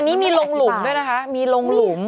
อันนี้มีลงหลุมด้วยนะคะมีลงหลุม